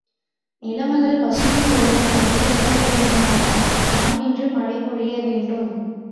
நிலமகள் பசுமைக் கோலம் பூண்டு விளங்க வேண்டுமானால் வான் நின்று மழை பொழிய வேண்டும்.